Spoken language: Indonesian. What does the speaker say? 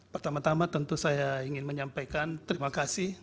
pertama tama tentu saya ingin menyampaikan terima kasih